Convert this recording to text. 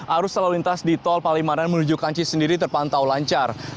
arus lalu lintas di tol palimanan menuju kanci sendiri terpantau lancar